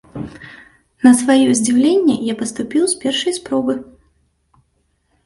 На сваё здзіўленне, я паступіў з першай спробы.